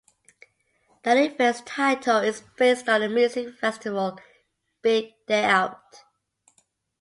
The events title is based on the music festival Big Day Out.